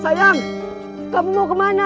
sayang kamu mau kemana